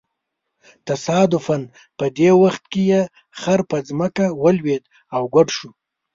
تصادفاً په دې وخت کې یې خر په ځمکه ولویېد او ګوډ شو.